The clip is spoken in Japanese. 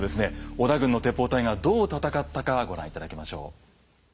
織田軍の鉄砲隊がどう戦ったかご覧頂きましょう。